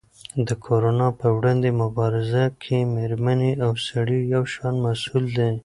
د کرونا په وړاندې مبارزه کې مېرمنې او سړي یو شان مسؤل دي.